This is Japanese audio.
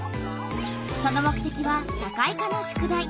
その目てきは社会科の宿題。